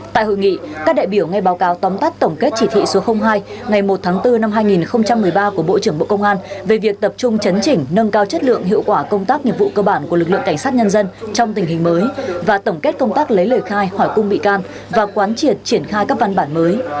tại hội nghị các đại biểu ngay báo cáo tóm tắt tổng kết chỉ thị số hai ngày một tháng bốn năm hai nghìn một mươi ba của bộ trưởng bộ công an về việc tập trung chấn chỉnh nâng cao chất lượng hiệu quả công tác nghiệp vụ cơ bản của lực lượng cảnh sát nhân dân trong tình hình mới và tổng kết công tác lấy lời khai hỏi cung bị can và quán triệt triển khai các văn bản mới